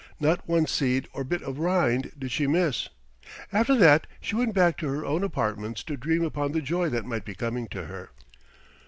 Not one seed or bit of rind did she miss. After that she went back to her own apartments to dream upon the joy that might be coming to her.